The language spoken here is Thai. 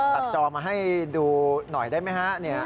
ตัดจอมาให้ดูหน่อยได้ไหม